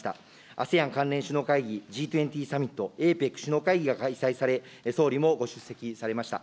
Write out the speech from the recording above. ＡＳＥＡＮ関連首脳会議、Ｇ２０サミット、ＡＰＥＣ首脳会議が開催され、総理もご出席されました。